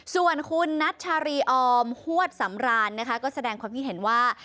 ส่วนคุณนัชชารีออมฮวดสำรานนะคะก็แสดงความคิดเห็นว่า